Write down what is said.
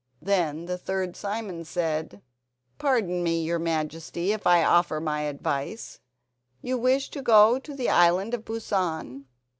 Then the third Simon said: "Pardon me, your Majesty, if I offer my advice. You wish to go to the Island of Busan?